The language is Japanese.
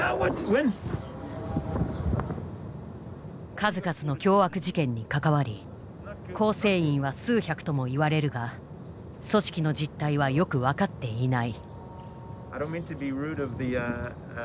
数々の凶悪事件に関わり構成員は数百ともいわれるが組織の実態はよく分かっていない。